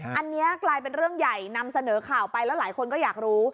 อันนี้กลายเป็นเรื่องใหญ่นำเสนอข่าวไปแล้วหลายคนก็อยากรู้